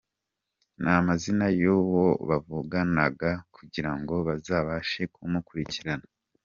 n’amazina y’uwo bavuganaga kugira ngo bazabashe kumukurikirana.